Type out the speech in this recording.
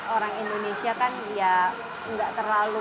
orang indonesia kan ya nggak terlalu